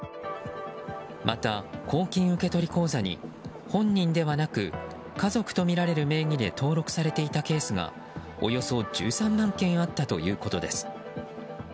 また、公金受取口座に本人ではなく家族とみられる名義で登録されていたケースがおよそ１３万件あったということです。